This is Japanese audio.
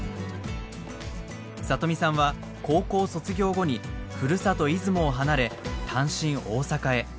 里見さんは高校卒業後にふるさと出雲を離れ単身大阪へ。